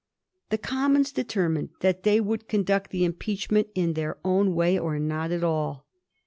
The Commons determined that they would conduct the impeachment in their own way or not at all.